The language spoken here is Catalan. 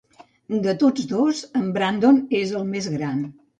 De tots dos, en Brandon és el més gran.